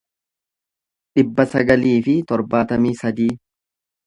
dhibba sagalii fi torbaatamii sadii